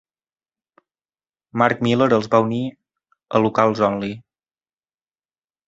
Mark Miller els va unir a "Locals Only.